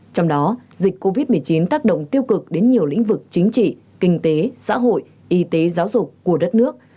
trong đó dịch covid một mươi chín tác động tiêu cực đến nhiều lĩnh vực chính trị kinh tế xã hội y tế giáo dục của đất nước